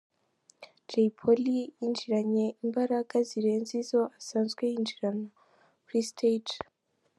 Jay Polly yinjiranye imbaraga zirenze izo asanzwe yinjirana kuri stage.